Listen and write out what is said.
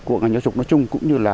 của ngành giáo dục nói chung cũng như là